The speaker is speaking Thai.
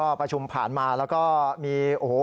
ก็ประชุมผ่านมาแล้วก็มีโอ้โห